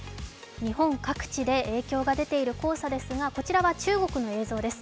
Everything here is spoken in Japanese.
日本各地で影響が出ている黄砂ですが、こちらは中国の映像です。